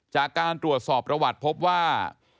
จากการตรวจสอบประวัติพบว่า